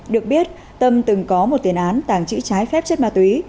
được biết tâm từng có một tiền án tàng trữ trái phép chất ma túy